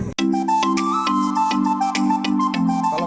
apa baju baju yang terkenal